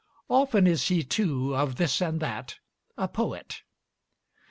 Often is he, too, of this and that a poet!